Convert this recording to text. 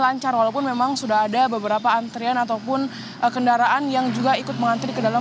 lancar walaupun memang sudah ada beberapa antrian ataupun kendaraan yang juga ikut mengantri ke dalam